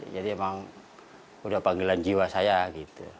jadi emang udah panggilan jiwa saya gitu